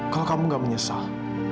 kalau kamu gak menyesal